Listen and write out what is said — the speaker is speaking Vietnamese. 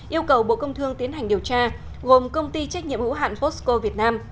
yêu cầu bộ công thương tiến hành điều tra gồm công ty trách nhiệm hữu hạn fosco việt nam